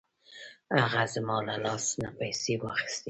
هغه زما له لاس نه پیسې واخیستې.